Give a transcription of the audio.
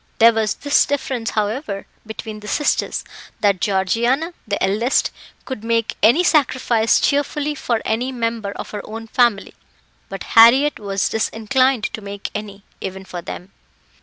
There was this difference, however, between the sisters, that Georgiana (the eldest) could make any sacrifice cheerfully for any member of her own family, but Harriett was disinclined to make any, even for them.